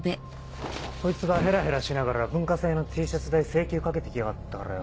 こいつがヘラヘラしながら文化祭のＴシャツ代請求かけてきやがったからよ。